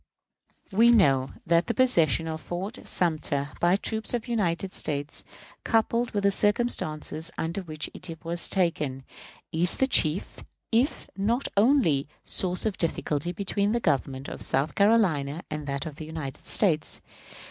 We know that the possession of Fort Sumter by troops of the United States, coupled with the circumstances under which it was taken, is the chief, if not only, source of difficulty between the government of South Carolina and that of the United States.